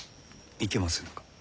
いけませぬか？